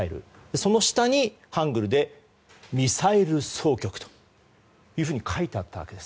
その下にハングルでミサイル総局と書いてあったわけです。